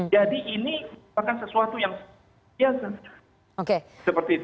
jadi ini bukan sesuatu yang biasa